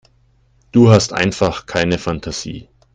Du hast einfach keine Fantasie.